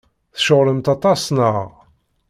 Tceɣlemt aṭas, naɣ?